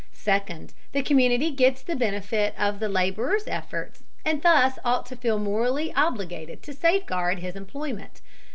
Second, the community gets the benefit of the laborer's efforts, and thus ought to feel morally obligated to safeguard his employment.